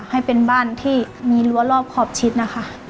ให้เป็นบ้านที่มีรั้วรอบขอบชิดนะคะ